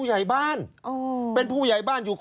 ชีวิตกระมวลวิสิทธิ์สุภาณฑ์